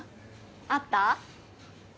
あった？